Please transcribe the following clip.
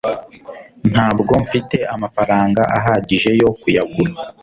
ntabwo mfite amafaranga ahagije yo kuyagura